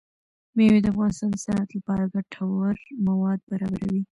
مېوې د افغانستان د صنعت لپاره ګټور مواد برابروي.